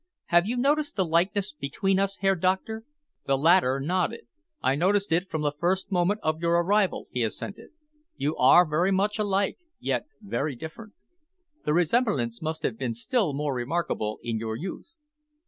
Have you noticed the likeness between us, Herr Doctor?" The latter nodded. "I noticed it from the first moment of your arrival," he assented. "You are very much alike yet very different. The resemblance must have been still more remarkable in your youth.